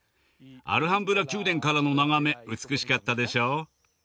アルハンブラ宮殿からの眺め美しかったでしょう。